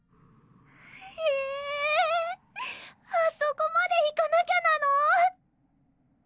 ひぇあそこまで行かなきゃなの？